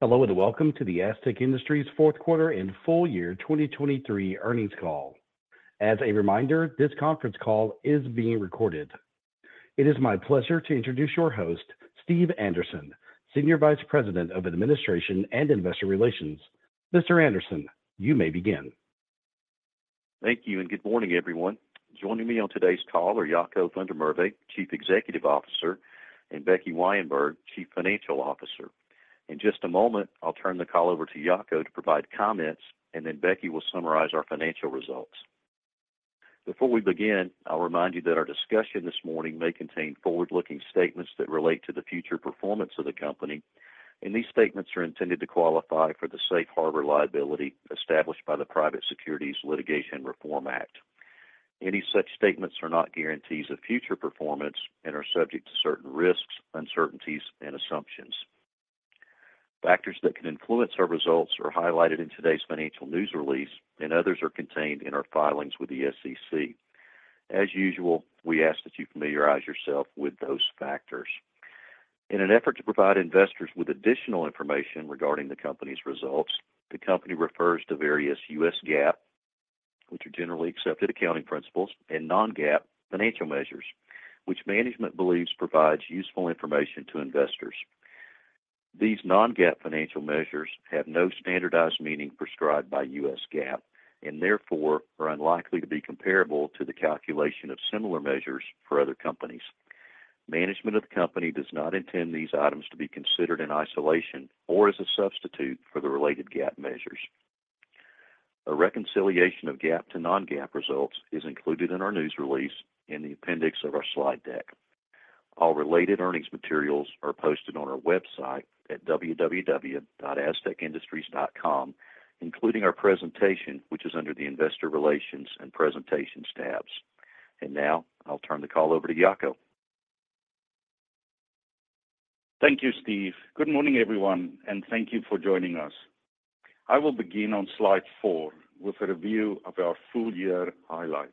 Hello, and welcome to the Astec Industries fourth quarter and full year 2023 earnings call. As a reminder, this conference call is being recorded. It is my pleasure to introduce your host, Steve Anderson, Senior Vice President of Administration and Investor Relations. Mr. Anderson, you may begin. Thank you, and good morning, everyone. Joining me on today's call are Jaco van der Merwe, Chief Executive Officer, and Becky Weyenberg, Chief Financial Officer. In just a moment, I'll turn the call over to Jaco to provide comments, and then Becky will summarize our financial results. Before we begin, I'll remind you that our discussion this morning may contain forward-looking statements that relate to the future performance of the company, and these statements are intended to qualify for the safe harbor liability established by the Private Securities Litigation Reform Act. Any such statements are not guarantees of future performance and are subject to certain risks, uncertainties, and assumptions. Factors that can influence our results are highlighted in today's financial news release, and others are contained in our filings with the SEC. As usual, we ask that you familiarize yourself with those factors. In an effort to provide investors with additional information regarding the company's results, the company refers to various U.S. GAAP, which are generally accepted accounting principles and non-GAAP financial measures, which management believes provides useful information to investors. These non-GAAP financial measures have no standardized meaning prescribed by U.S. GAAP and therefore are unlikely to be comparable to the calculation of similar measures for other companies. Management of the company does not intend these items to be considered in isolation or as a substitute for the related GAAP measures. A reconciliation of GAAP to non-GAAP results is included in our news release in the appendix of our slide deck. All related earnings materials are posted on our website at www.astecindustries.com, including our presentation, which is under the Investor Relations and Presentations tabs. Now I'll turn the call over to Jaco. Thank you, Steve. Good morning, everyone, and thank you for joining us. I will begin on slide four with a review of our full year highlights.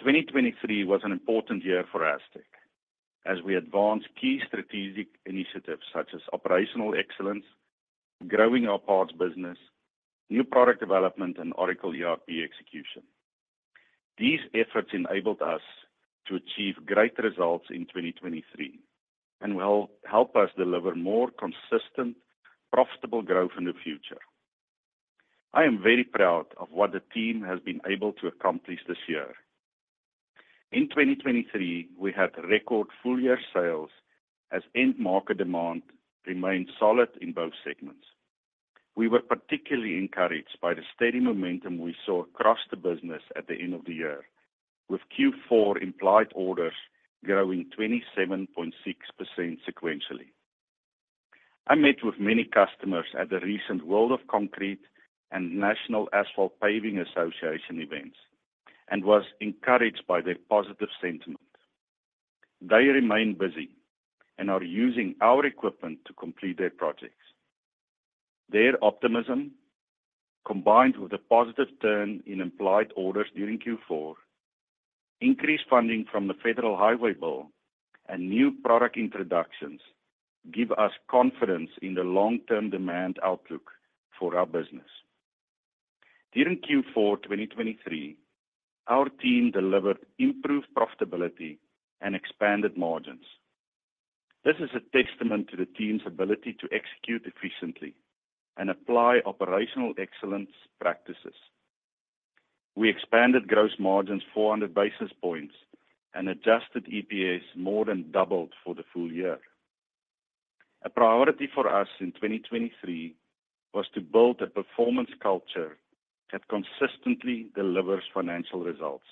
2023 was an important year for Astec as we advanced key strategic initiatives such as operational excellence, growing our parts business, new product development, and Oracle ERP execution. These efforts enabled us to achieve great results in 2023 and will help us deliver more consistent, profitable growth in the future. I am very proud of what the team has been able to accomplish this year. In 2023, we had record full year sales as end market demand remained solid in both segments. We were particularly encouraged by the steady momentum we saw across the business at the end of the year, with Q4 implied orders growing 27.6% sequentially. I met with many customers at the recent World of Concrete and National Asphalt Pavement Association events and was encouraged by their positive sentiment. They remain busy and are using our equipment to complete their projects. Their optimism, combined with a positive turn in implied orders during Q4, increased funding from the Federal Highway Bill and new product introductions, give us confidence in the long-term demand outlook for our business. During Q4 2023, our team delivered improved profitability and expanded margins. This is a testament to the team's ability to execute efficiently and apply operational excellence practices. We expanded gross margins 400 basis points and adjusted EPS more than doubled for the full year. A priority for us in 2023 was to build a performance culture that consistently delivers financial results.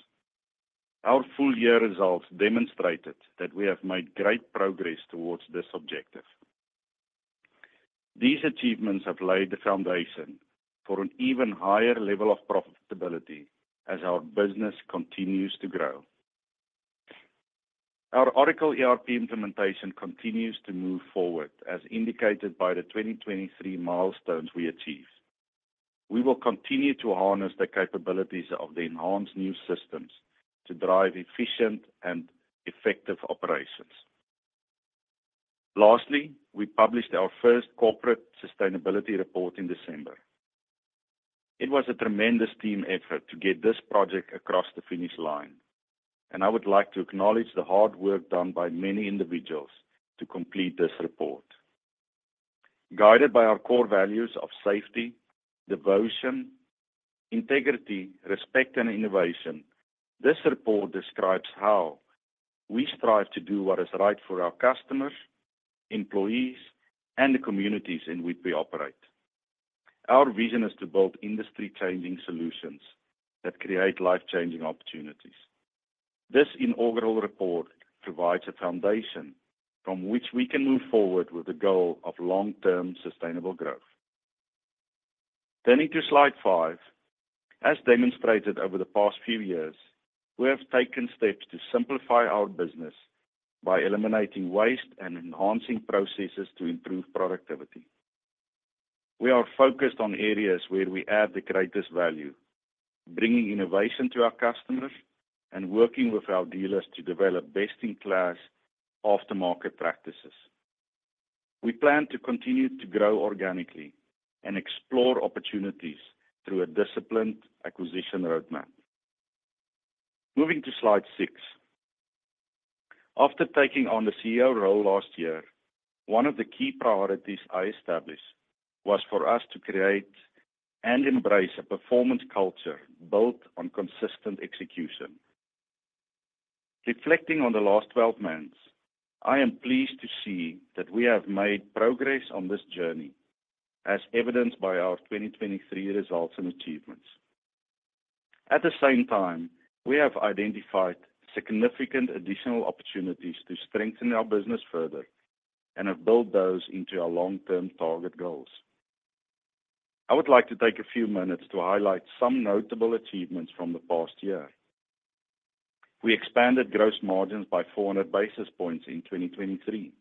Our full-year results demonstrated that we have made great progress towards this objective. These achievements have laid the foundation for an even higher level of profitability as our business continues to grow. Our Oracle ERP implementation continues to move forward, as indicated by the 2023 milestones we achieved. We will continue to harness the capabilities of the enhanced new systems to drive efficient and effective operations. Lastly, we published our first corporate sustainability report in December. It was a tremendous team effort to get this project across the finish line, and I would like to acknowledge the hard work done by many individuals to complete this report. Guided by our core values of safety, devotion, integrity, respect, and innovation, this report describes how we strive to do what is right for our customers, employees, and the communities in which we operate. Our vision is to build industry changing solutions that create life-changing opportunities. This inaugural report provides a foundation from which we can move forward with the goal of long-term sustainable growth. Turning to slide five. As demonstrated over the past few years, we have taken steps to simplify our business by eliminating waste and enhancing processes to improve productivity. We are focused on areas where we add the greatest value, bringing innovation to our customers, and working with our dealers to develop best-in-class aftermarket practices. We plan to continue to grow organically and explore opportunities through a disciplined acquisition roadmap. Moving to slide six. After taking on the CEO role last year, one of the key priorities I established was for us to create and embrace a performance culture built on consistent execution. Reflecting on the last 12 months, I am pleased to see that we have made progress on this journey, as evidenced by our 2023 results and achievements. At the same time, we have identified significant additional opportunities to strengthen our business further, and have built those into our long-term target goals. I would like to take a few minutes to highlight some notable achievements from the past year. We expanded gross margins by 400 basis points in 2023.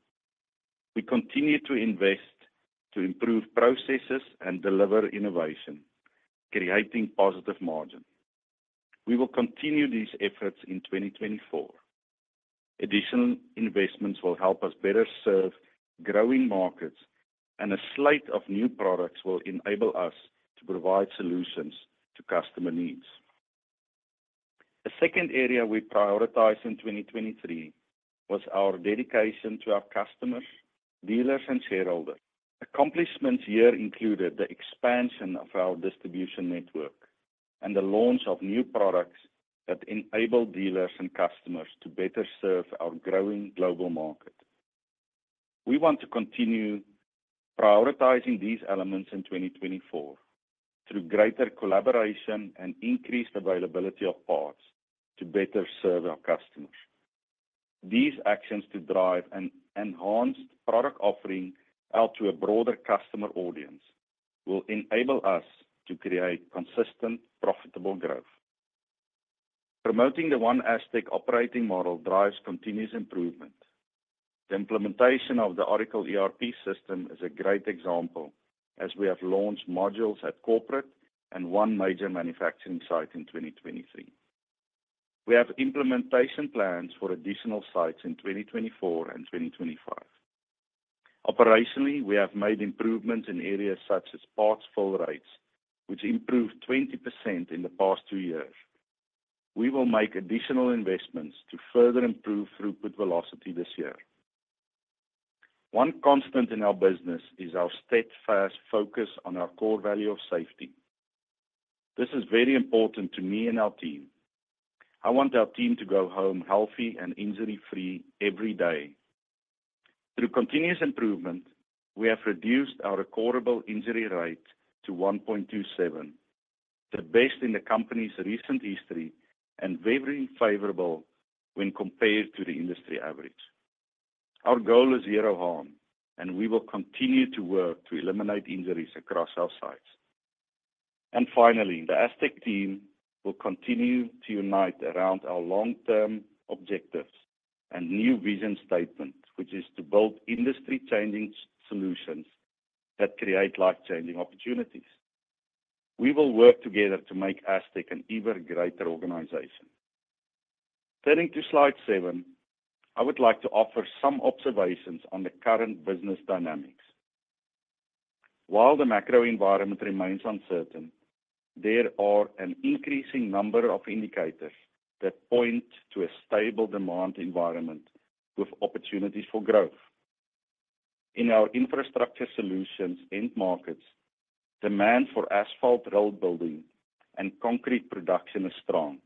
We continue to invest to improve processes and deliver innovation, creating positive margin. We will continue these efforts in 2024. Additional investments will help us better serve growing markets, and a slate of new products will enable us to provide solutions to customer needs. The second area we prioritized in 2023, was our dedication to our customers, dealers, and shareholders. Accomplishments here included the expansion of our distribution network and the launch of new products that enable dealers and customers to better serve our growing global market. We want to continue prioritizing these elements in 2024 through greater collaboration and increased availability of parts to better serve our customers. These actions to drive an enhanced product offering out to a broader customer audience will enable us to create consistent, profitable growth. Promoting the OneASTEC operating model drives continuous improvement. The implementation of the Oracle ERP system is a great example, as we have launched modules at corporate and one major manufacturing site in 2023. We have implementation plans for additional sites in 2024 and 2025. Operationally, we have made improvements in areas such as parts fill rates, which improved 20% in the past two years. We will make additional investments to further improve throughput velocity this year. One constant in our business is our steadfast focus on our core value of safety. This is very important to me and our team. I want our team to go home healthy and injury-free every day. Through continuous improvement, we have reduced our recordable injury rate to 1.27, the best in the company's recent history, and very favorable when compared to the industry average. Our goal is zero harm, and we will continue to work to eliminate injuries across our sites. Finally, the Astec team will continue to unite around our long-term objectives and new vision statement, which is to build industry-changing solutions that create life-changing opportunities. We will work together to make Astec an even greater organization. Turning to slide seven I would like to offer some observations on the current business dynamics. While the macro environment remains uncertain, there are an increasing number of indicators that point to a stable demand environment with opportunities for growth. In our Infrastructure Solutions end markets, demand for asphalt road building and concrete production is strong.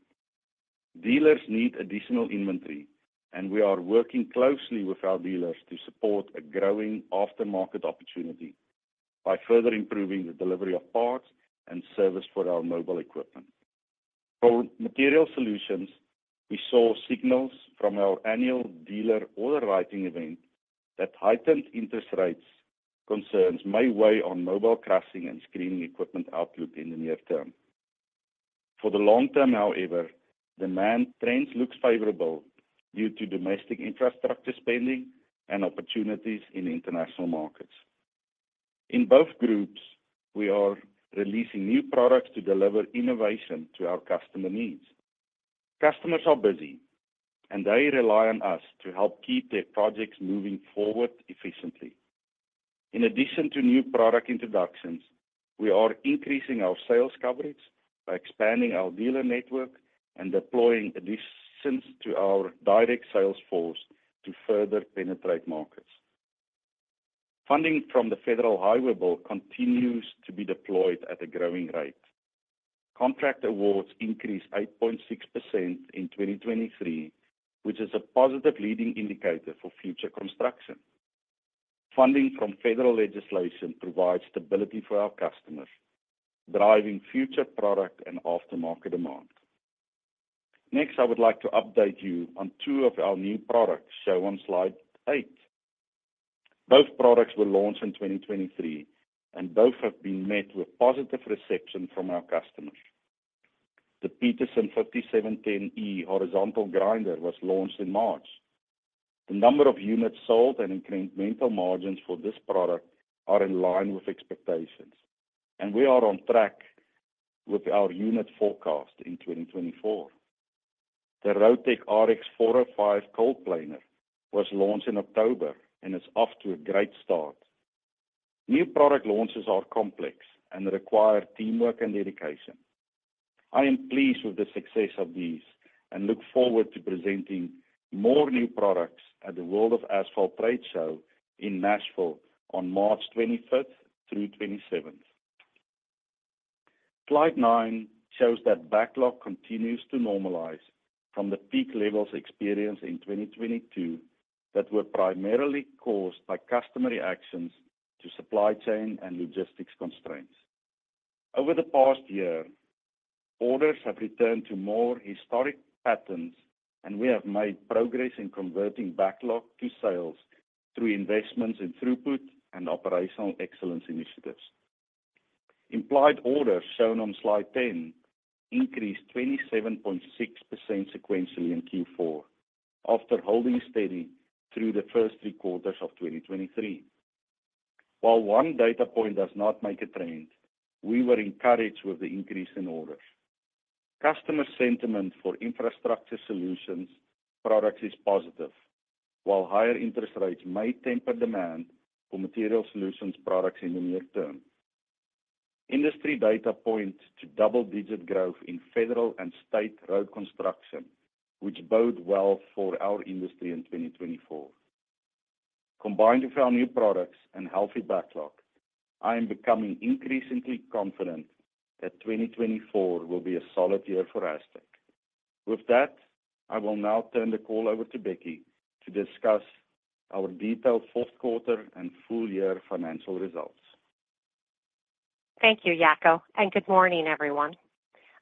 Dealers need additional inventory, and we are working closely with our dealers to support a growing aftermarket opportunity by further improving the delivery of parts and service for our mobile equipment. For Materials Solutions, we saw signals from our annual dealer order writing event that heightened interest rates concerns may weigh on mobile crushing and screening equipment outlook in the near term. For the long term, however, demand trends looks favorable due to domestic infrastructure spending and opportunities in international markets. In both groups, we are releasing new products to deliver innovation to our customer needs. Customers are busy, and they rely on us to help keep their projects moving forward efficiently. In addition to new product introductions, we are increasing our sales coverage by expanding our dealer network and deploying additions to our direct sales force to further penetrate markets. Funding from the Federal Highway Bill continues to be deployed at a growing rate. Contract awards increased 8.6% in 2023, which is a positive leading indicator for future construction. Funding from federal legislation provides stability for our customers, driving future product and aftermarket demand. Next, I would like to update you on two of our new products shown on slide 8. Both products were launched in 2023, and both have been met with positive reception from our customers. The Peterson 5710E Horizontal Grinder was launched in March. The number of units sold and incremental margins for this product are in line with expectations, and we are on track with our unit forecast in 2024. The Roadtec RX-405 Cold Planer was launched in October and is off to a great start. New product launches are complex and require teamwork and dedication. I am pleased with the success of these and look forward to presenting more new products at the World of Asphalt Trade Show in Nashville on March 25th through 27th. Slide nine shows that backlog continues to normalize from the peak levels experienced in 2022, that were primarily caused by customer reactions to supply chain and logistics constraints. Over the past year, orders have returned to more historic patterns, and we have made progress in converting backlog to sales through investments in throughput and operational excellence initiatives. Implied orders, shown on slide 10, increased 27.6% sequentially in Q4, after holding steady through the first three quarters of 2023. While one data point does not make a trend, we were encouraged with the increase in orders. Customer sentiment for Infrastructure Solutions products is positive, while higher interest rates may temper demand for Material Solutions products in the near term. Industry data point to double-digit growth in federal and state road construction, which bode well for our industry in 2024. Combined with our new products and healthy backlog, I am becoming increasingly confident that 2024 will be a solid year for Astec. With that, I will now turn the call over to Becky to discuss our detailed fourth quarter and full year financial results. Thank you, Jaco, and Good morning, everyone.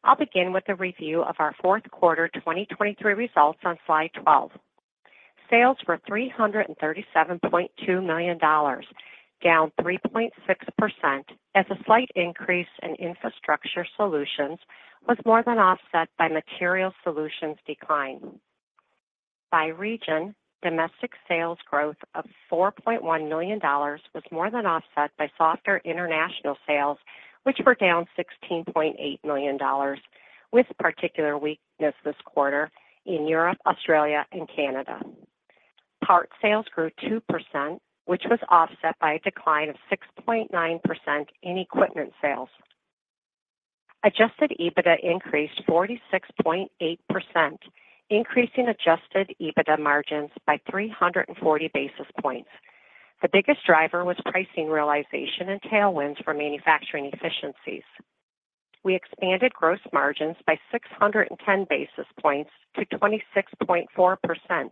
I'll begin with a review of our fourth quarter 2023 results on slide 12. Sales were $337.2 million, down 3.6%, as a slight increase in Infrastructure Solutions was more than offset by Materials Solutions decline. By region, domestic sales growth of $4.1 million was more than offset by softer international sales, which were down $16.8 million, with particular weakness this quarter in Europe, Australia, and Canada. Part sales grew 2%, which was offset by a decline of 6.9% in equipment sales. Adjusted EBITDA increased 46.8%, increasing adjusted EBITDA margins by 340 basis points. The biggest driver was pricing realization and tailwinds from manufacturing efficiencies. We expanded gross margins by 610 basis points to 26.4%.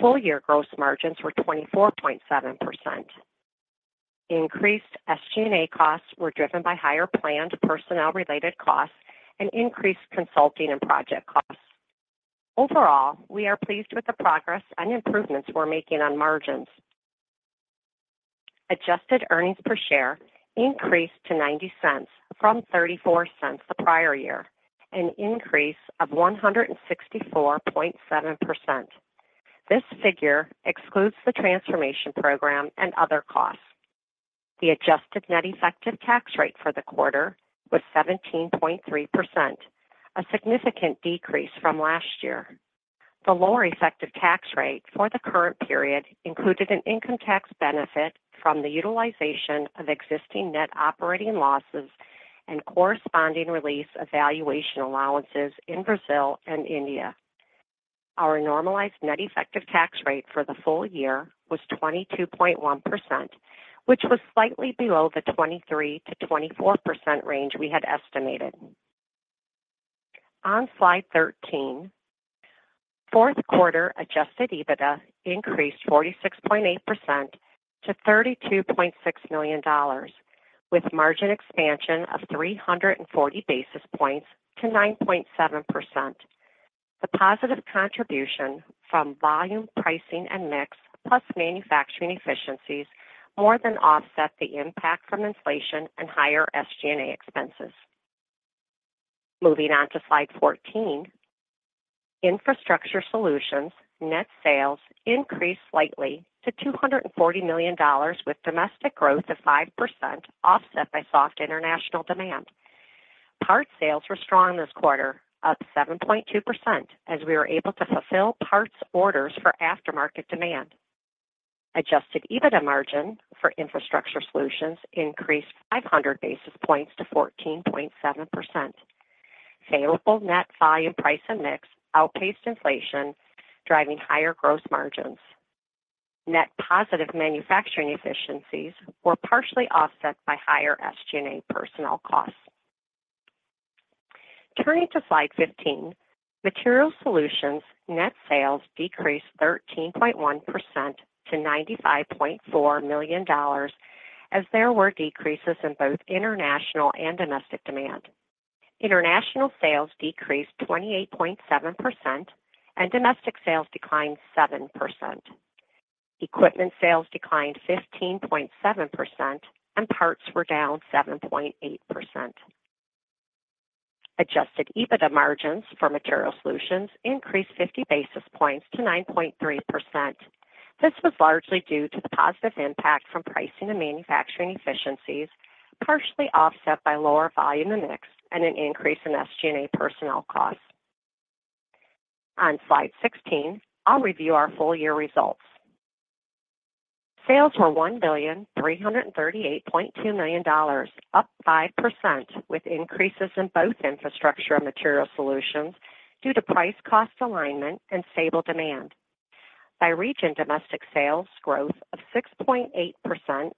Full year gross margins were 24.7%. Increased SG&A costs were driven by higher planned personnel-related costs and increased consulting and project costs. Overall, we are pleased with the progress and improvements we're making on margins. Adjusted earnings per share increased to $0.90 from $0.34 the prior year, an increase of 164.7%. This figure excludes the transformation program and other costs. The adjusted net effective tax rate for the quarter was 17.3%, a significant decrease from last year. The lower effective tax rate for the current period included an income tax benefit from the utilization of existing net operating losses and corresponding release of valuation allowances in Brazil and India. Our normalized net effective tax rate for the full year was 22.1%, which was slightly below the 23%-24% range we had estimated. On slide 13, fourth quarter Adjusted EBITDA increased 46.8% to $32.6 million, with margin expansion of 340 basis points to 9.7%. The positive contribution from volume, pricing, and mix, plus manufacturing efficiencies, more than offset the impact from inflation and higher SG&A expenses. Moving on to slide 14. Infrastructure Solutions net sales increased slightly to $240 million, with domestic growth of 5%, offset by soft international demand. Part sales were strong this quarter, up 7.2%, as we were able to fulfill parts orders for aftermarket demand. Adjusted EBITDA margin for Infrastructure Solutions increased 500 basis points to 14.7%. Favorable net volume, price, and mix outpaced inflation, driving higher gross margins. Net positive manufacturing efficiencies were partially offset by higher SG&A personnel costs. Turning to slide 15, Materials Solutions net sales decreased 13.1% to $95.4 million, as there were decreases in both international and domestic demand. International sales decreased 28.7% and domestic sales declined 7%. Equipment sales declined 15.7%, and parts were down 7.8%. Adjusted EBITDA margins for Materials Solutions increased 50 basis points to 9.3%. This was largely due to the positive impact from pricing and manufacturing efficiencies, partially offset by lower volume and mix and an increase in SG&A personnel costs. On slide 16, I'll review our full year results. Sales were $1,338.2 million, up 5%, with increases in both Infrastructure Solutions and Materials Solutions due to price cost alignment and stable demand. By region, domestic sales growth of 6.8%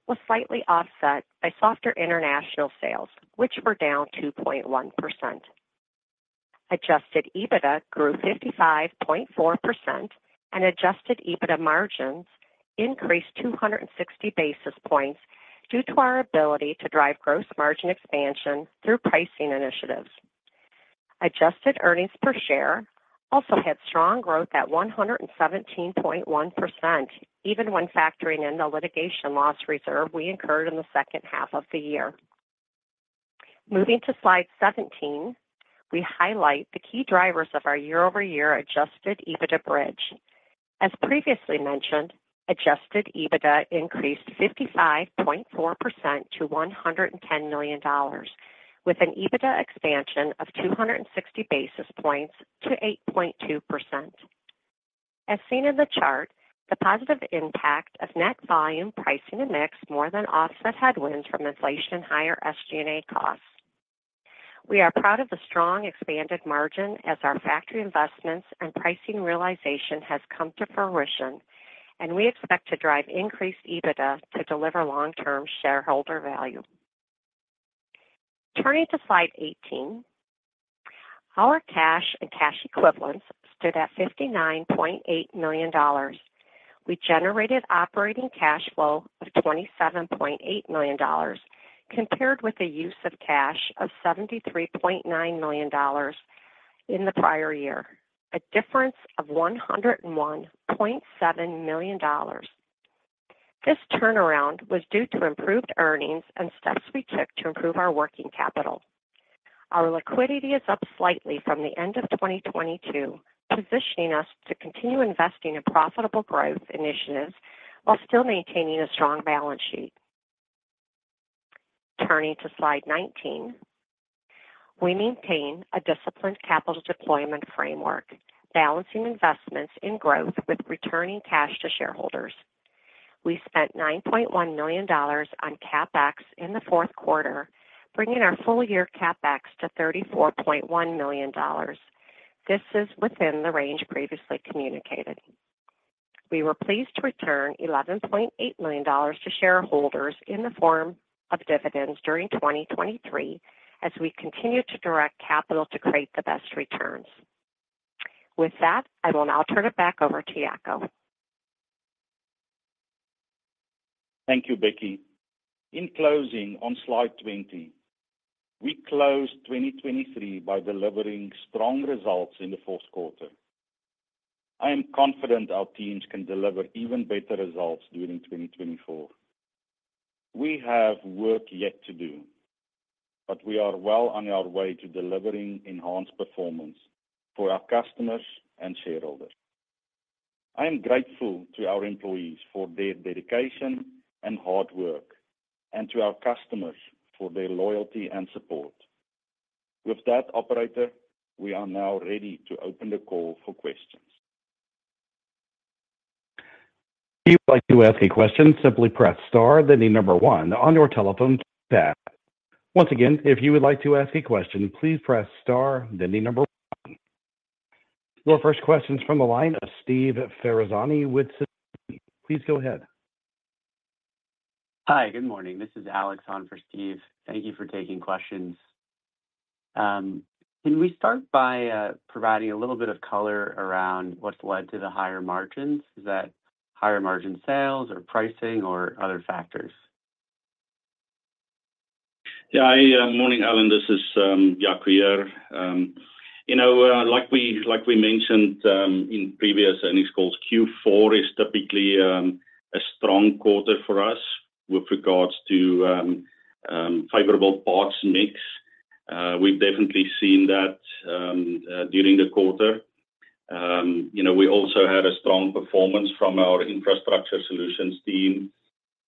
was slightly offset by softer international sales, which were down 2.1%. Adjusted EBITDA grew 55.4%, and adjusted EBITDA margins increased 260 basis points due to our ability to drive gross margin expansion through pricing initiatives. Adjusted earnings per share also had strong growth at 117.1%, even when factoring in the litigation loss reserve we incurred in the second half of the year. Moving to slide 17, we highlight the key drivers of our year-over-year adjusted EBITDA bridge. As previously mentioned, adjusted EBITDA increased 55.4% to $110 million, with an EBITDA expansion of 260 basis points to 8.2%. As seen in the chart, the positive impact of net volume, pricing, and mix more than offset headwinds from inflation and higher SG&A costs. We are proud of the strong expanded margin as our factory investments and pricing realization has come to fruition, and we expect to drive increased EBITDA to deliver long-term shareholder value. Turning to slide 18, our cash and cash equivalents stood at $59.8 million. We generated operating cash flow of $27.8 million, compared with the use of cash of $73.9 million in the prior year, a difference of $101.7 million. This turnaround was due to improved earnings and steps we took to improve our working capital. Our liquidity is up slightly from the end of 2022, positioning us to continue investing in profitable growth initiatives while still maintaining a strong balance sheet. Turning to slide 19, we maintain a disciplined capital deployment framework, balancing investments in growth with returning cash to shareholders. We spent $9.1 million on CapEx in the fourth quarter, bringing our full year CapEx to $34.1 million. This is within the range previously communicated. We were pleased to return $11.8 million to shareholders in the form of dividends during 2023, as we continue to direct capital to create the best returns. With that, I will now turn it back over to Jaco. Thank you, Becky. In closing, on slide 20, we closed 2023 by delivering strong results in the fourth quarter. I am confident our teams can deliver even better results during 2024. We have work yet to do, but we are well on our way to delivering enhanced performance for our customers and shareholders. I am grateful to our employees for their dedication and hard work, and to our customers for their loyalty and support. With that, operator, we are now ready to open the call for questions. If you'd like to ask a question, simply press star, then the number one on your telephone keypad. Once again, if you would like to ask a question, please press star, then the number one. Your first question is from the line of Steve Ferazani with-- Please go ahead. Hi, good morning. This is Alex on for Steve. Thank you for taking questions. Can we start by providing a little bit of color around what's led to the higher margins? Is that higher margin sales or pricing or other factors? Yeah. Hi, morning, Alex. This is Jaco here. You know, like we mentioned in previous earnings calls, Q4 is typically a strong quarter for us with regards to favorable parts mix. We've definitely seen that during the quarter. You know, we also had a strong performance from our Infrastructure Solutions team.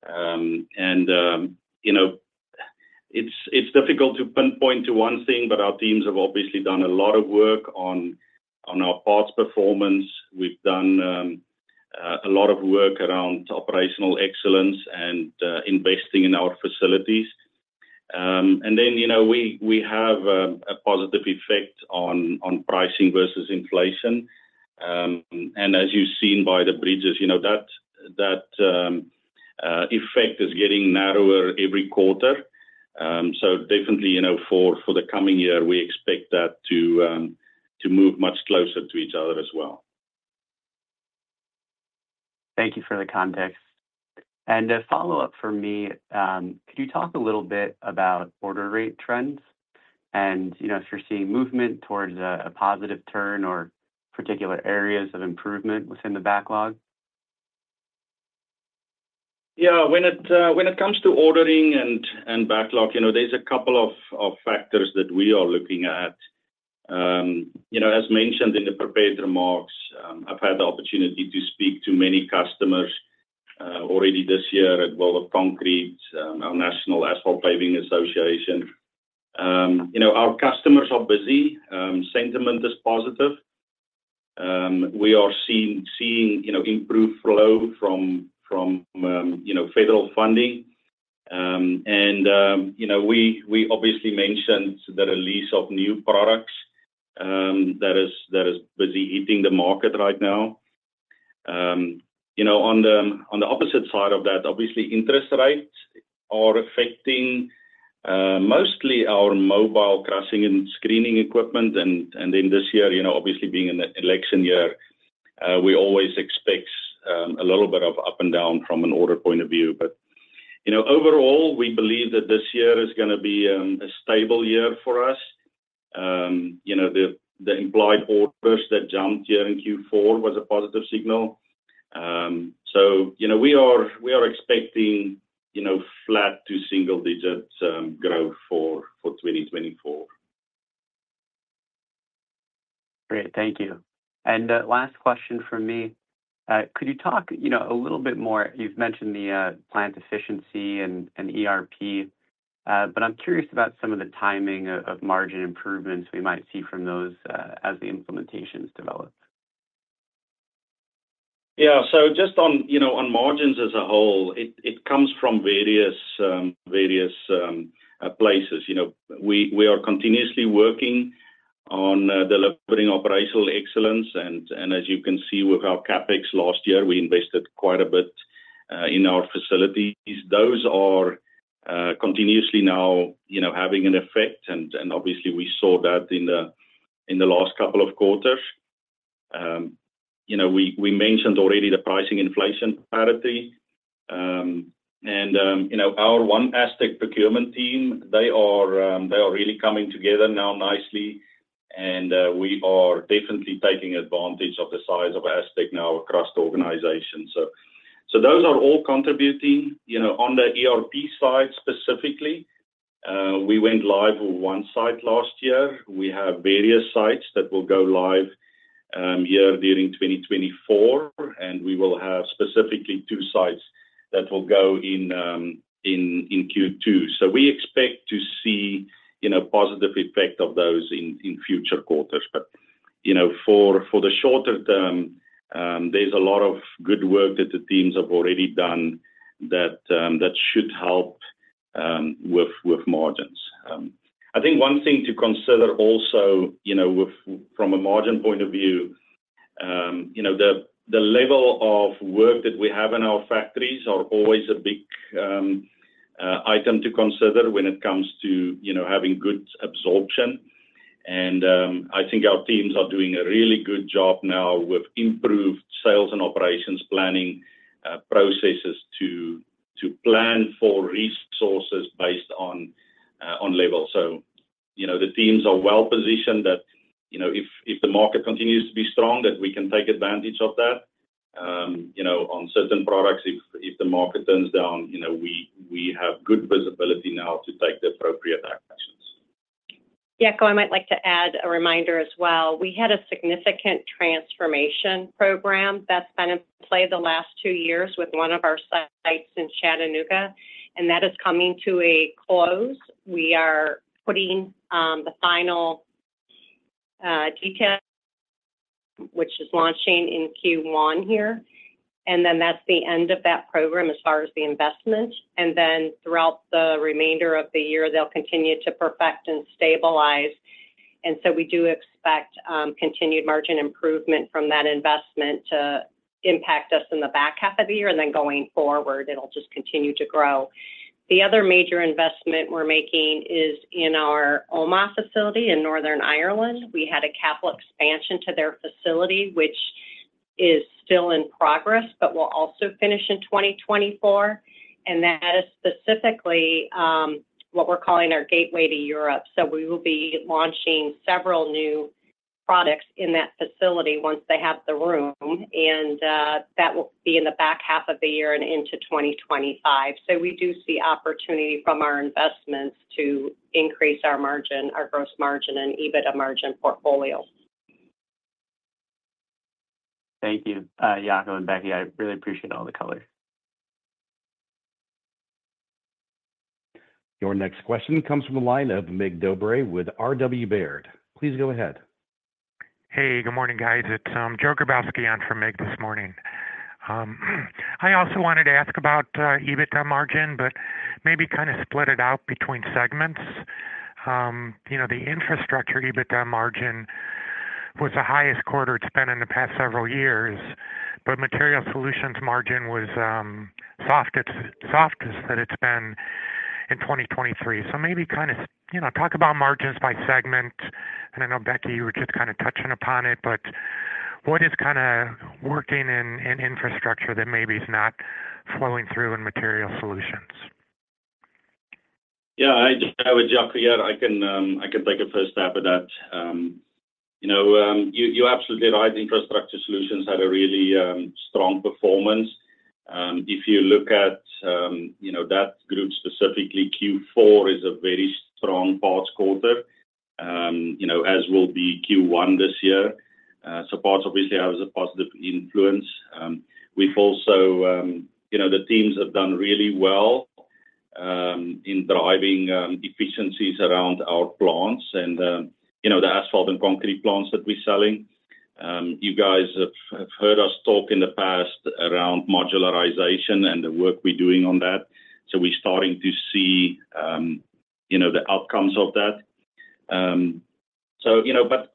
And you know, it's difficult to pinpoint to one thing, but our teams have obviously done a lot of work on our parts performance. We've done a lot of work around operational excellence and investing in our facilities. And then, you know, we have a positive effect on pricing versus inflation. And as you've seen by the bridges, you know, that effect is getting narrower every quarter. So definitely, you know, for the coming year, we expect that to move much closer to each other as well. Thank you for the context. A follow-up for me, could you talk a little bit about order rate trends? You know, if you're seeing movement towards a positive turn or particular areas of improvement within the backlog? Yeah, when it comes to ordering and backlog, you know, there's a couple of factors that we are looking at. You know, as mentioned in the prepared remarks, I've had the opportunity to speak to many customers already this year at World of Concrete, our National Asphalt Paving Association. You know, our customers are busy. Sentiment is positive. We are seeing, you know, improved flow from, you know, federal funding. And, you know, we obviously mentioned the release of new products that is busy hitting the market right now. You know, on the opposite side of that, obviously, interest rates are affecting mostly our mobile crushing and screening equipment. And then this year, you know, obviously, being an election year, we always expect a little bit of up and down from an order point of view. But, you know, overall, we believe that this year is gonna be a stable year for us. You know, the implied orders that jumped here in Q4 was a positive signal. So, you know, we are expecting, you know, flat to single-digit growth for 2024. Great. Thank you. Last question from me. Could you talk, you know, a little bit more. You've mentioned the plant efficiency and ERP, but I'm curious about some of the timing of margin improvements we might see from those, as the implementations develop. Yeah. So just on, you know, on margins as a whole, it comes from various places. You know, we are continuously working on delivering operational excellence, and as you can see with our CapEx last year, we invested quite a bit in our facilities. Those are continuously now, you know, having an effect, and obviously we saw that in the last couple of quarters. You know, we mentioned already the pricing inflation parity. And you know, our One ASTEC procurement team, they are really coming together now nicely, and we are definitely taking advantage of the size of Astec now across the organization. So those are all contributing. You know, on the ERP side specifically, we went live with one site last year. We have various sites that will go live here during 2024, and we will have specifically two sites that will go in Q2. So we expect to see, you know, positive effect of those in future quarters. But, you know, for the shorter term, there's a lot of good work that the teams have already done that should help with margins. I think one thing to consider also, you know, from a margin point of view, you know, the level of work that we have in our factories are always a big item to consider when it comes to, you know, having good absorption. I think our teams are doing a really good job now with improved sales and operations planning processes to plan for resources based on level. So, you know, the teams are well positioned that, you know, if the market continues to be strong, that we can take advantage of that. You know, on certain products, if the market turns down, you know, we have good visibility now to take the appropriate actions. Yeah. I might like to add a reminder as well. We had a significant transformation program that's been in play the last two years with one of our sites in Chattanooga, and that is coming to a close. We are putting the final detail, which is launching in Q1 here, and then that's the end of that program as far as the investment. And then throughout the remainder of the year, they'll continue to perfect and stabilize. And so we do expect continued margin improvement from that investment to impact us in the back half of the year, and then going forward, it'll just continue to grow. The other major investment we're making is in our Omagh facility in Northern Ireland. We had a capital expansion to their facility, which is still in progress, but will also finish in 2024, and that is specifically what we're calling our gateway to Europe. So we will be launching several new products in that facility once they have the room, and that will be in the back half of the year and into 2025. So we do see opportunity from our investments to increase our margin, our gross margin, and EBITDA margin portfolio. Thank you, Jaco and Becky. I really appreciate all the color. Your next question comes from the line of Mig Dobre with R.W. Baird. Please go ahead. Hey, good morning, guys. It's Joe Grabowski on for Mig this morning. I also wanted to ask about EBITDA margin, but maybe kinda split it out between segments. You know, the infrastructure EBITDA margin was the highest quarter it's been in the past several years, but Material Solutions margin was soft, it's softest that it's been in 2023. So maybe kind of, you know, talk about margins by segment. And I know, Becky, you were just kinda touching upon it, but... What is kind of working in infrastructure that maybe is not flowing through in Material Solutions? Yeah, I, Jaco here, I can take a first stab at that. You know, you, you're absolutely right. Infrastructure Solutions had a really strong performance. If you look at, you know, that group specifically, Q4 is a very strong parts quarter, you know, as will be Q1 this year. So parts obviously have a positive influence. We've also, you know, the teams have done really well in driving efficiencies around our plants and, you know, the asphalt and concrete plants that we're selling. You guys have heard us talk in the past around modularization and the work we're doing on that, so we're starting to see, you know, the outcomes of that. So, you know, but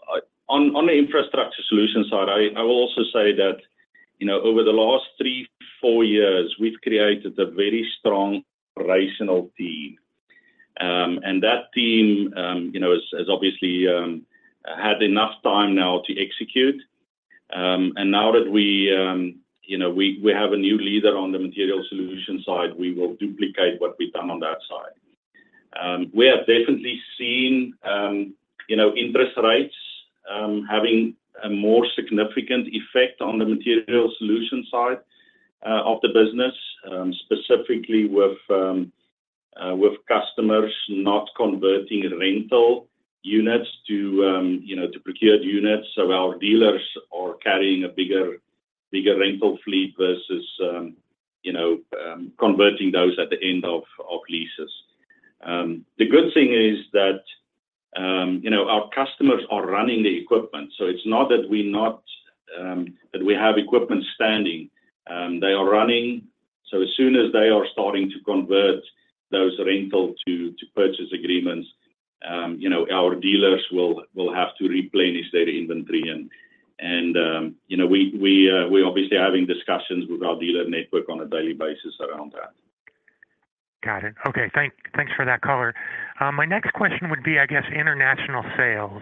on the Infrastructure Solutions side, I will also say that, you know, over the last 3-4 years, we've created a very strong regional team. And that team, you know, has obviously had enough time now to execute. And now that we, you know, we have a new leader on the Materials Solutions side, we will duplicate what we've done on that side. We have definitely seen, you know, interest rates having a more significant effect on the Materials Solutions side of the business, specifically with customers not converting rental units to, you know, to procured units. So our dealers are carrying a bigger rental fleet versus, you know, converting those at the end of leases. The good thing is that, you know, our customers are running the equipment, so it's not that we not that we have equipment standing. They are running, so as soon as they are starting to convert those rental to, to purchase agreements, you know, our dealers will, will have to replenish their inventory. And, you know, we, we're obviously having discussions with our dealer network on a daily basis around that. Got it. Okay, thanks for that color. My next question would be, I guess, international sales.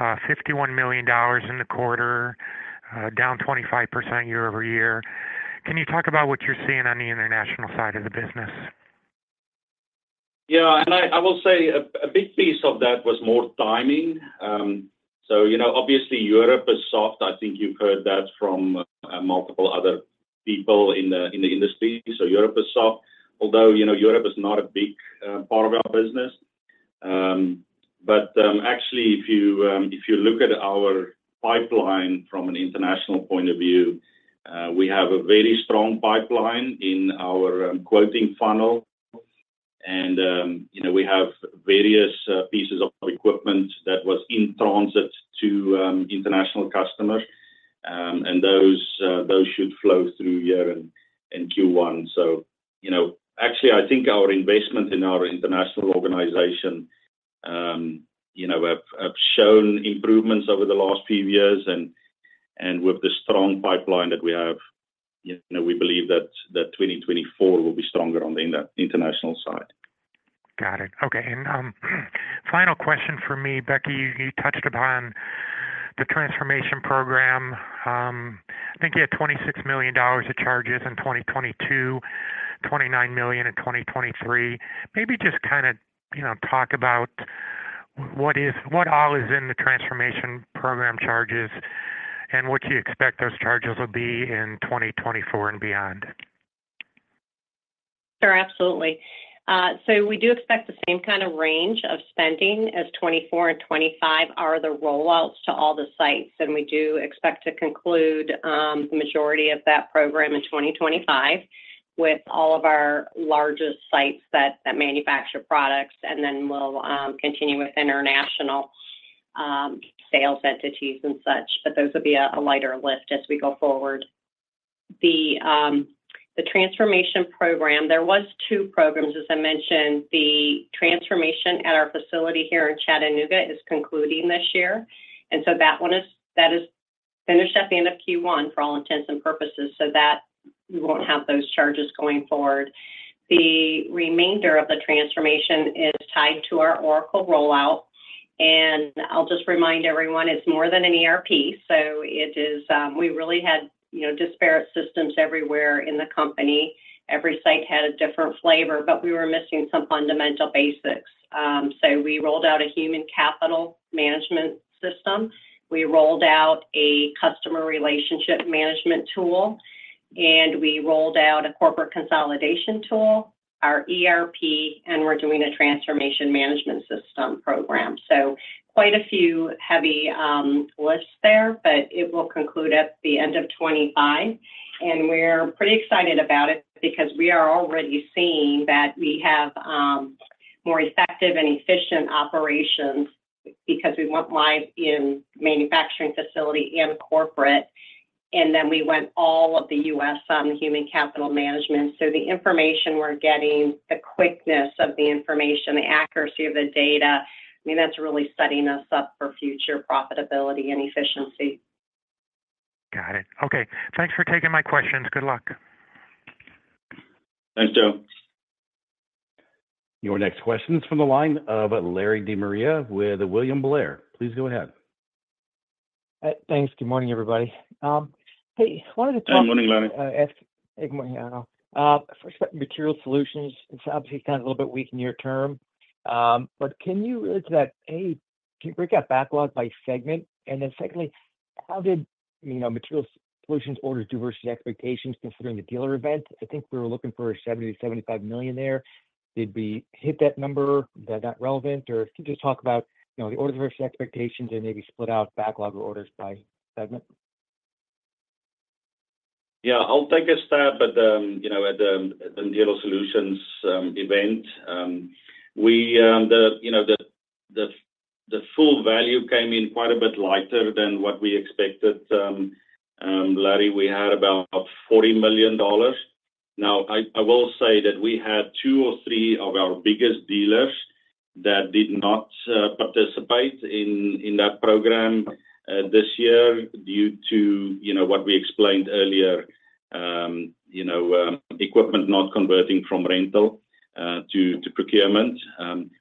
$51 million in the quarter, down 25% year-over-year. Can you talk about what you're seeing on the international side of the business? Yeah, and I will say a big piece of that was more timing. So, you know, obviously, Europe is soft. I think you've heard that from multiple other people in the industry. So Europe is soft, although, you know, Europe is not a big part of our business. But actually, if you look at our pipeline from an international point of view, we have a very strong pipeline in our quoting funnel. And you know, we have various pieces of equipment that was in transit to international customers, and those should flow through here in Q1. So, you know, actually, I think our investment in our international organization, you know, have shown improvements over the last few years. And with the strong pipeline that we have, you know, we believe that 2024 will be stronger on the international side. Got it. Okay, and, final question for me, Becky, you, you touched upon the transformation program. I think you had $26 million of charges in 2022, $29 million in 2023. Maybe just kind of, you know, talk about what is-- what all is in the transformation program charges, and what do you expect those charges will be in 2024 and beyond? Sure, absolutely. So we do expect the same kind of range of spending as 2024 and 2025 are the rollouts to all the sites, and we do expect to conclude the majority of that program in 2025 with all of our largest sites that manufacture products. And then we'll continue with international sales entities and such, but those will be a lighter lift as we go forward. The transformation program, there was two programs, as I mentioned. The transformation at our facility here in Chattanooga is concluding this year, and so that one is—that is finished at the end of Q1 for all intents and purposes, so that we won't have those charges going forward. The remainder of the transformation is tied to our Oracle rollout, and I'll just remind everyone, it's more than an ERP, so it is.. We really had, you know, disparate systems everywhere in the company. Every site had a different flavor, but we were missing some fundamental basics. So we rolled out a human capital management system, we rolled out a customer relationship management tool, and we rolled out a corporate consolidation tool, our ERP, and we're doing a transformation management system program. So quite a few heavy lifts there, but it will conclude at the end of 2025. And we're pretty excited about it because we are already seeing that we have more effective and efficient operations because we went live in manufacturing facility and corporate, and then we went all of the U.S. human capital management. So the information we're getting, the quickness of the information, the accuracy of the data, I mean, that's really setting us up for future profitability and efficiency. Got it. Okay, thanks for taking my questions. Good luck. Thanks, Joe.... Your next question is from the line of Larry De Maria, with William Blair. Please go ahead. Thanks. Good morning, everybody. Hey, I wanted to talk- Good morning, Larry. Good morning. For Materials Solutions, it's obviously kind of a little bit weak near term. But can you relate to that? Can you break out backlog by segment? And then secondly, how did, you know, Materials Solutions orders versus expectations, considering the dealer event? I think we were looking for $70 million-$75 million there. Did we hit that number? Is that relevant? Or can you just talk about, you know, the orders versus expectations and maybe split out backlog of orders by segment? Yeah, I'll take a stab at, you know, at the Materials Solutions event. We, you know, the full value came in quite a bit lighter than what we expected, Larry. We had about $40 million. Now, I will say that we had two or three of our biggest dealers that did not participate in that program this year, due to, you know, what we explained earlier, you know, equipment not converting from rental to procurement.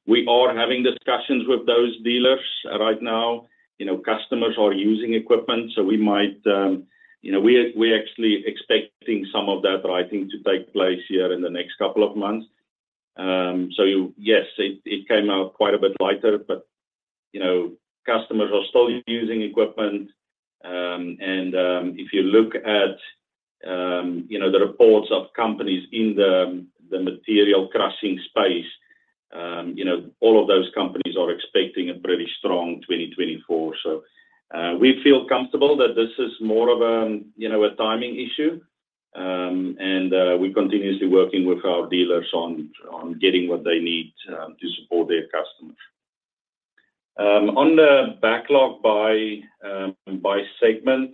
We are having discussions with those dealers right now. You know, customers are using equipment, so we might, you know, we're actually expecting some of that writing to take place here in the next couple of months. So yes, it came out quite a bit lighter, but you know, customers are still using equipment. And if you look at you know, the reports of companies in the material crushing space, you know, all of those companies are expecting a pretty strong 2024. So we feel comfortable that this is more of a you know, a timing issue. And we're continuously working with our dealers on getting what they need to support their customers. On the backlog by segment,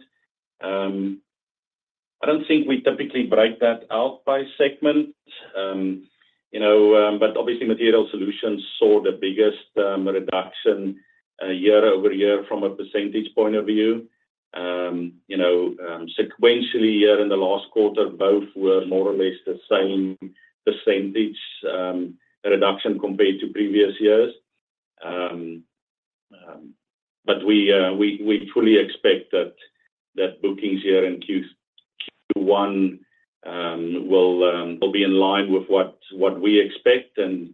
I don't think we typically break that out by segment. You know, but obviously, Material Solutions saw the biggest reduction year-over-year from a percentage point of view. You know, sequentially, year in the last quarter, both were more or less the same percentage reduction compared to previous years. But we fully expect that bookings here in Q1 will be in line with what we expect and,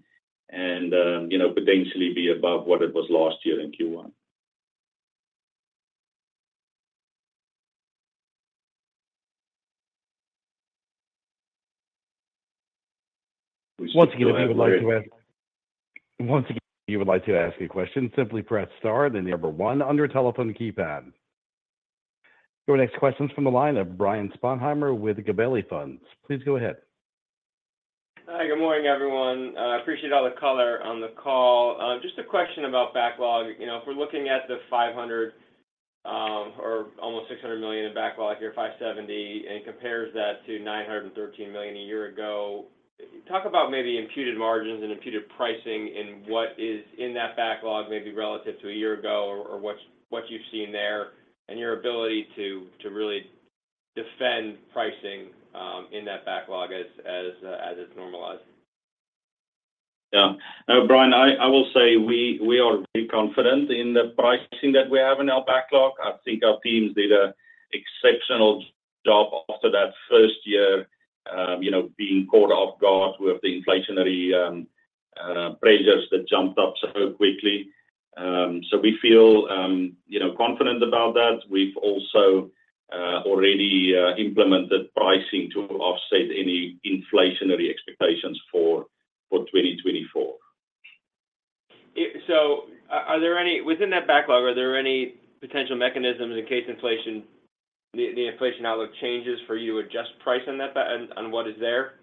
you know, potentially be above what it was last year in Q1. Once again, if you would like to ask a question, simply press star, then number one on your telephone keypad. Your next question is from the line of Brian Sponheimer with Gabelli Funds. Please go ahead. Hi, good morning, everyone. I appreciate all the color on the call. Just a question about backlog. You know, if we're looking at the 500, or almost 600 million in backlog here, 570, and compares that to 913 million a year ago, talk about maybe imputed margins and imputed pricing, and what is in that backlog, maybe relative to a year ago or what you've seen there, and your ability to really defend pricing in that backlog as it's normalized. Yeah. No, Brian, I will say we are very confident in the pricing that we have in our backlog. I think our teams did an exceptional job after that first year, you know, being caught off guard with the inflationary pressures that jumped up so quickly. So we feel, you know, confident about that. We've also already implemented pricing to offset any inflationary expectations for 2024. So, are there any within that backlog, are there any potential mechanisms in case inflation, the inflation outlook changes for you, adjust price on that, on what is there?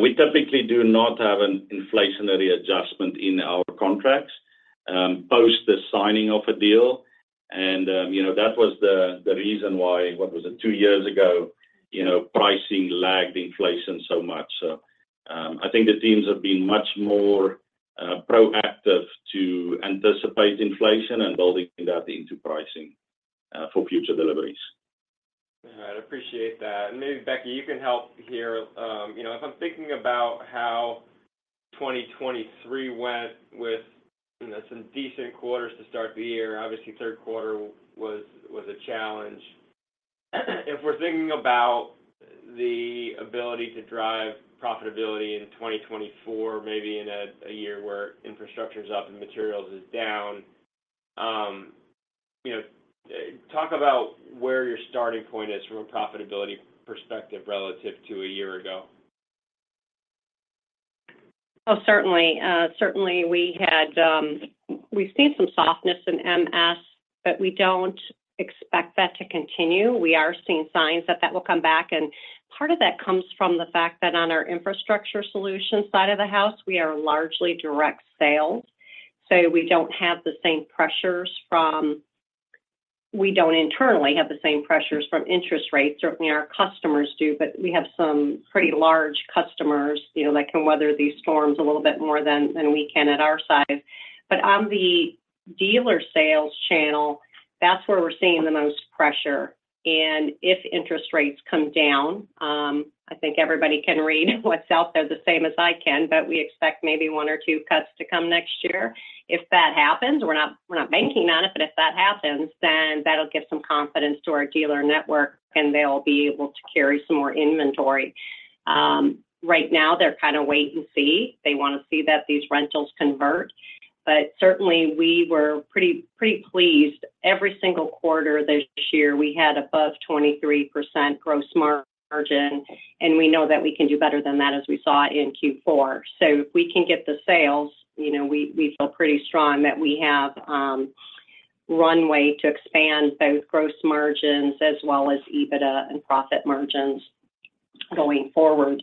We typically do not have an inflationary adjustment in our contracts post the signing of a deal. And you know, that was the reason why, what was it? Two years ago, you know, pricing lagged inflation so much. So I think the teams have been much more proactive to anticipate inflation and building that into pricing for future deliveries. All right. I appreciate that. And maybe, Becky, you can help here. You know, if I'm thinking about how 2023 went with, you know, some decent quarters to start the year, obviously, third quarter was a challenge. If we're thinking about the ability to drive profitability in 2024, maybe in a year where infrastructure is up and materials is down, you know, talk about where your starting point is from a profitability perspective relative to a year ago. Oh, certainly. Certainly, we had, we've seen some softness in MS, but we don't expect that to continue. We are seeing signs that that will come back, and part of that comes from the fact that on our Infrastructure Solutions side of the house, we are largely direct sales. So we don't have the same pressures from. We don't internally have the same pressures from interest rates. Certainly, our customers do, but we have some pretty large customers, you know, that can weather these storms a little bit more than, than we can at our side. But on the dealer sales channel, that's where we're seeing the most pressure. And if interest rates come down, I think everybody can read what's out there the same as I can, but we expect maybe one or two cuts to come next year. If that happens, we're not, we're not banking on it, but if that happens, then that'll give some confidence to our dealer network, and they'll be able to carry some more inventory. Right now, they're kinda wait and see. They wanna see that these rentals convert. But certainly, we were pretty, pretty pleased. Every single quarter this year, we had above 23% gross margin, and we know that we can do better than that, as we saw in Q4. So if we can get the sales, you know, we, we feel pretty strong that we have runway to expand both gross margins as well as EBITDA and profit margins going forward.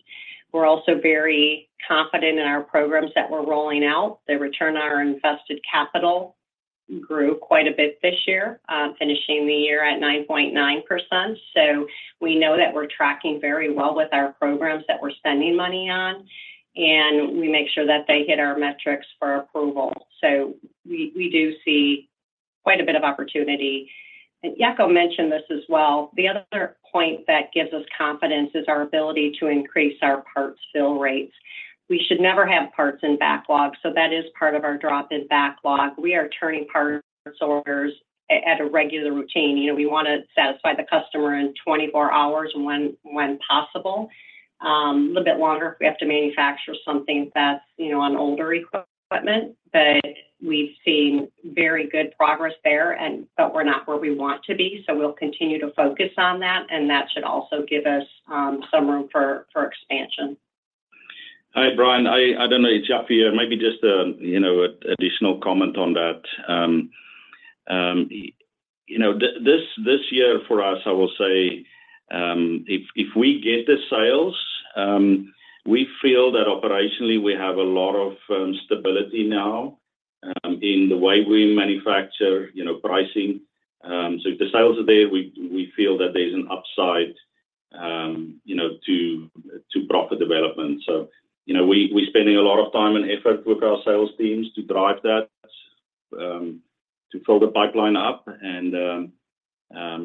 We're also very confident in our programs that we're rolling out. The return on our invested capital grew quite a bit this year, finishing the year at 9.9%. So we know that we're tracking very well with our programs that we're spending money on, and we make sure that they hit our metrics for approval. So we do see quite a bit of opportunity. And Jaco mentioned this as well, the other point that gives us confidence is our ability to increase our parts fill rates. We should never have parts in backlog, so that is part of our drop in backlog. We are turning parts orders at a regular routine. You know, we wanna satisfy the customer in 24 hours when possible. A little bit longer if we have to manufacture something that's, you know, on older equipment. But we've seen very good progress there, and but we're not where we want to be, so we'll continue to focus on that, and that should also give us some room for expansion. Hi, Brian. I don't know, it's Jaco here. Maybe just a, you know, additional comment on that. You know, this year for us, I will say, if we get the sales, we feel that operationally, we have a lot of stability now in the way we manufacture, you know, pricing. So if the sales are there, we feel that there's an upside, you know, to profit development. So, you know, we're spending a lot of time and effort with our sales teams to drive that to fill the pipeline up. And,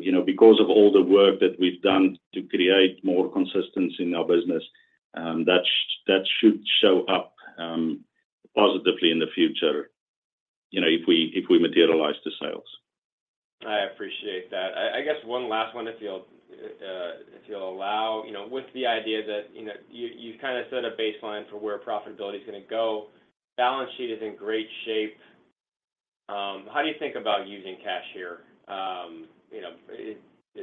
you know, because of all the work that we've done to create more consistency in our business, that should show up positively in the future, you know, if we materialize the sales. I appreciate that. I guess one last one, if you'll allow. You know, with the idea that, you know, you kinda set a baseline for where profitability is gonna go. Balance sheet is in great shape. How do you think about using cash here? You know, is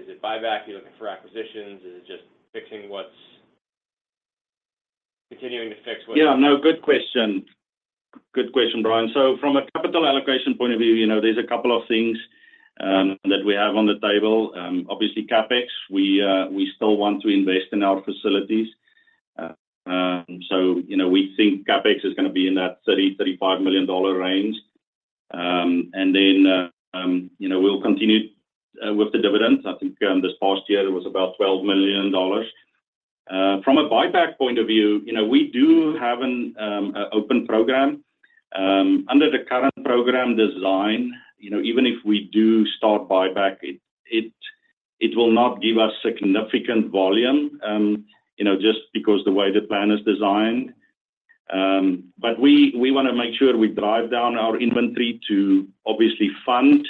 it buyback? Are you looking for acquisitions? Is it just fixing what's... Continuing to fix what. Yeah, no, good question. Good question, Brian. So from a capital allocation point of view, you know, there's a couple of things that we have on the table. Obviously, CapEx, we still want to invest in our facilities. So, you know, we think CapEx is gonna be in that $30-$35 million range. And then, you know, we'll continue with the dividends. I think this past year, it was about $12 million. From a buyback point of view, you know, we do have an open program. Under the current program design, you know, even if we do start buyback, it will not give us significant volume, you know, just because the way the plan is designed. But we, we wanna make sure we drive down our inventory to obviously fund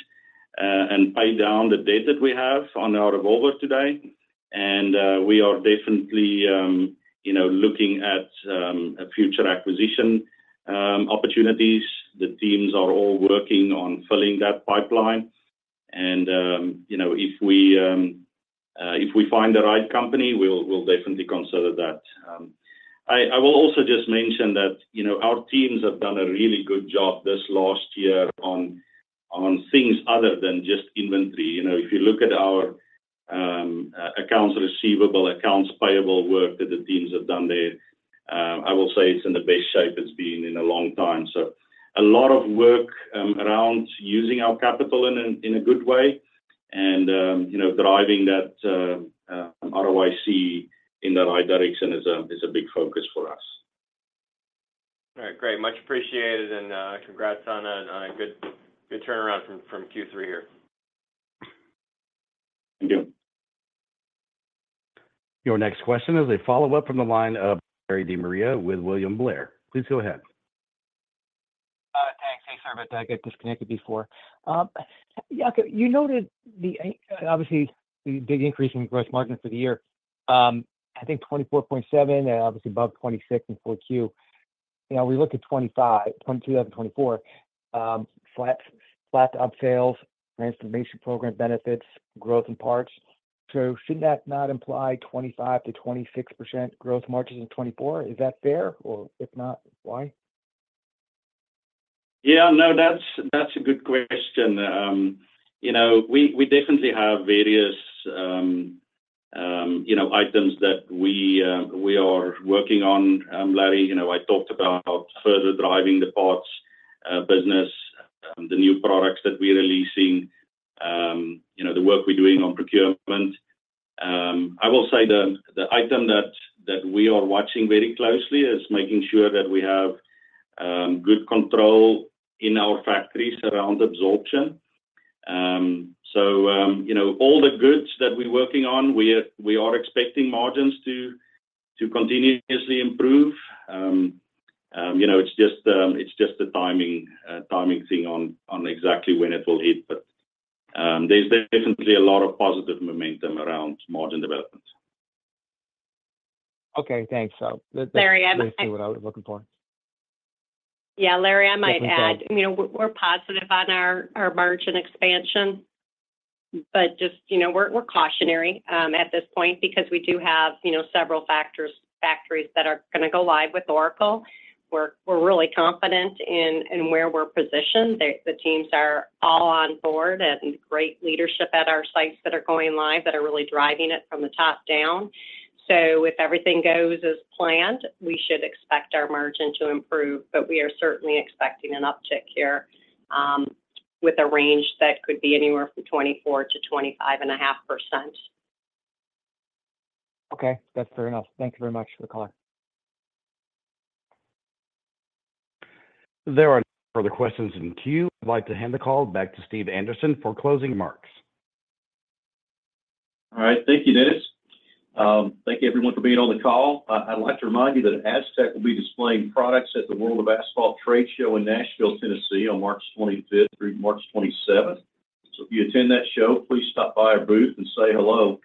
and pay down the debt that we have on our revolvers today. We are definitely, you know, looking at a future acquisition opportunities. The teams are all working on filling that pipeline, and, you know, if we, if we find the right company, we'll, we'll definitely consider that. I, I will also just mention that, you know, our teams have done a really good job this last year on, on things other than just inventory. You know, if you look at our accounts receivable, accounts payable work that the teams have done there, I will say it's in the best shape it's been in a long time. So a lot of work around using our capital in a good way, and you know, driving that ROIC in the right direction is a big focus for us. All right, great. Much appreciated, and congrats on a good turnaround from Q3 here. Thank you. Your next question is a follow-up from the line of Larry De Maria with William Blair. Please go ahead. Thanks. Sorry about that. I got disconnected before. Jaco, you noted the, obviously, the big increase in gross margins for the year. I think 24.7%, and obviously above 26% in Q4. You know, we look at 2025, 2022 and 2024, flat, flat to up sales, transformation program benefits, growth in parts. So should that not imply 25%-26% growth margins in 2024? Is that fair, or if not, why? Yeah, no, that's a good question. You know, we definitely have various, you know, items that we are working on. Larry, you know, I talked about further driving the parts business, the new products that we're releasing, you know, the work we're doing on procurement. I will say the item that we are watching very closely is making sure that we have good control in our factories around absorption. So, you know, all the goods that we're working on, we are expecting margins to continuously improve. You know, it's just the timing thing on exactly when it will hit. But there's definitely a lot of positive momentum around margin development. Okay, thanks. So- Larry, I might- That's basically what I was looking for. Yeah, Larry, I might add, you know, we're positive on our margin expansion, but just, you know, we're cautionary at this point because we do have, you know, several factors - factories that are gonna go live with Oracle. We're really confident in where we're positioned. The teams are all on board and great leadership at our sites that are going live, that are really driving it from the top down. So if everything goes as planned, we should expect our margin to improve, but we are certainly expecting an uptick here with a range that could be anywhere from 24%-25.5%. Okay, that's fair enough. Thank you very much for the color. There are no further questions in the queue. I'd like to hand the call back to Steve Anderson for closing remarks. All right. Thank you, Dennis. Thank you everyone for being on the call. I'd like to remind you that Astec will be displaying products at the World of Asphalt Trade Show in Nashville, Tennessee, on March 25th through March 27th. So if you attend that show, please stop by our booth and say hello.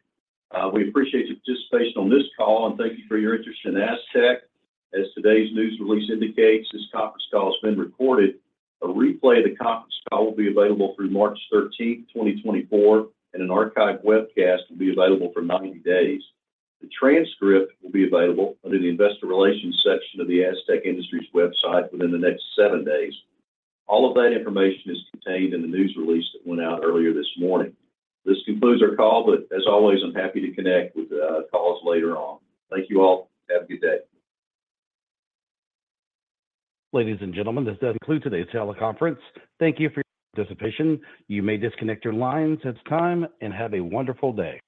We appreciate your participation on this call, and thank you for your interest in Astec. As today's news release indicates, this conference call has been recorded. A replay of the conference call will be available through March 13, 2024, and an archive webcast will be available for 90 days. The transcript will be available under the Investor Relations section of the Astec Industries website within the next 7 days. All of that information is contained in the news release that went out earlier this morning. This concludes our call, but as always, I'm happy to connect with calls later on. Thank you all. Have a good day. Ladies and gentlemen, this does conclude today's teleconference. Thank you for your participation. You may disconnect your lines at this time, and have a wonderful day.